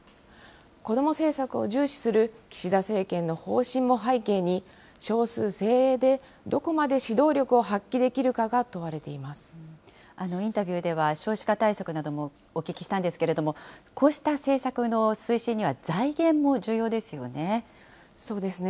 子ども政策を重視する岸田政権の方針も背景に、少数精鋭でどこまで指導力を発揮できるかが問われインタビューでは、少子化対策などもお聞きしたんですけれども、こうした政策の推進には財源そうですね。